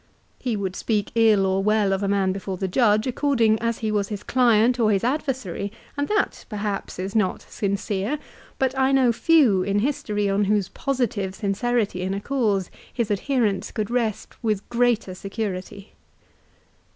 He would speak ill or well of a man before the judge, according as he was his client or his adversary, and that perhaps is not sincere. But I know few in history on whose positive sincerity in a cause his adherents could rest with greater security.